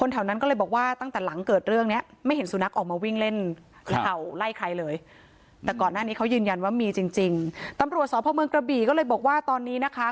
ตำรวจสอบภพเมืองกระบีก็เลยบอกว่าตอนนี้นะคะ